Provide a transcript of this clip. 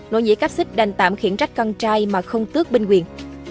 nội nhị cáp xích đành tạm khiển trách con trai mà không tước binh quyền